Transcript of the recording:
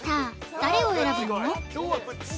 誰を選ぶの？